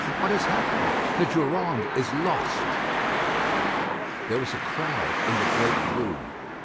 "What has happened?" "The Durande is lost." There was a crowd in the great room.